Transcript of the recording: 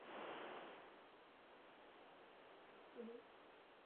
V dolní části vesnice se rozprostírá rybník.